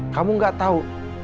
kamu nggak tahu